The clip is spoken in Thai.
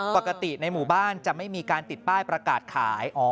ปกติในหมู่บ้านจะไม่มีการติดป้ายประกาศขาย